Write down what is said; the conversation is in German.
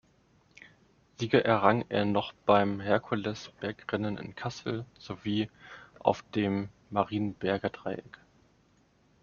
Siege errang er noch beim Herkules-Bergrennen in Kassel sowie auf dem Marienberger Dreieck.